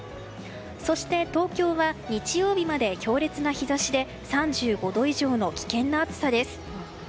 そして、東京は日曜日まで強烈な日差しで３５度以上の危険な暑さです。